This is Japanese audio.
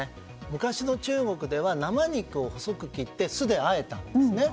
昔の中国では生肉を細く切って酢であえたんですね。